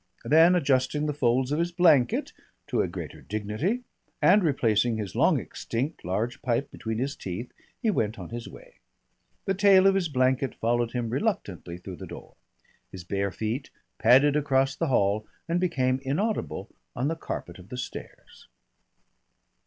Then adjusting the folds of his blanket to a greater dignity, and replacing his long extinct large pipe between his teeth, he went on his way. The tail of his blanket followed him reluctantly through the door. His bare feet padded across the hall and became inaudible on the carpet of the stairs.